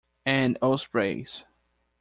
and Ospreys.